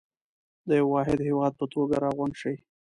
د يوه واحد هېواد په توګه راغونډ شئ.